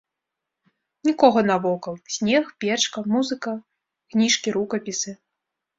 Нікога навокал, снег, печка, музыка, кніжкі, рукапісы.